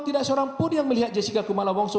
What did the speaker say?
tidak seorang pun yang melihat jessica kumala wongso